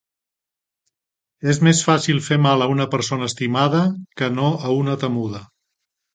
És més fàcil fer mal a una persona estimada que no a una temuda.